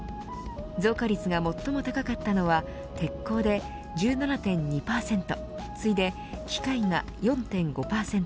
増加率が最も高かったのは鉄鋼で１７．２％次いで機械が４．５％